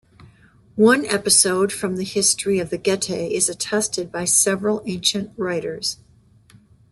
One episode from the history of the Getae is attested by several ancient writers.